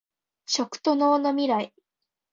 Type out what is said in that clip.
食と農のミライ